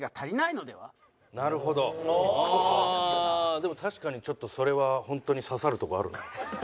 でも確かにちょっとそれは本当に刺さるとこあるな。